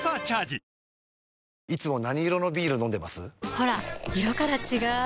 ほら色から違う！